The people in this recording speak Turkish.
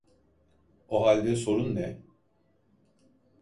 O halde sorun ne?